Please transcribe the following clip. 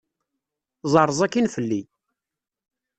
Ẓeṛṛeẓ akin fell-i!